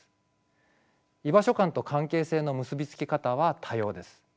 居場所感と関係性の結び付き方は多様です。